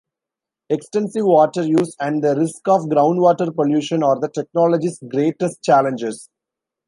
Extensive water use and the risk of groundwater pollution are the technology's greatest challenges.